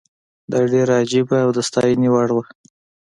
دا ډېره عجیبه او د ستاینې وړ وه.